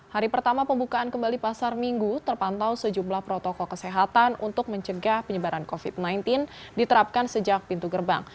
hari pertama pembukaan kembali pasar minggu terpantau sejumlah protokol kesehatan untuk mencegah penyebaran covid sembilan belas diterapkan sejak pintu gerbang